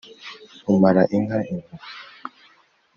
umara inka impuhwe,